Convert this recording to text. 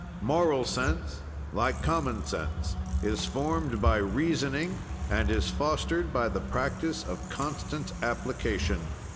Moral sense, like common sense, is formed by reasoning and is fostered by the practise of constant application.